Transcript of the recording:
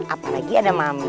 apa lagi ada mami